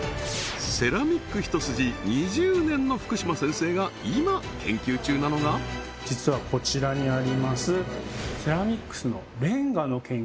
セラミック一筋２０年の福島先生が今研究中なのが実はこちらにあります